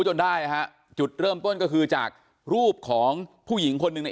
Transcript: จนได้ฮะจุดเริ่มต้นก็คือจากรูปของผู้หญิงคนหนึ่งเนี่ย